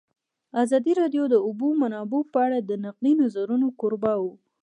ازادي راډیو د د اوبو منابع په اړه د نقدي نظرونو کوربه وه.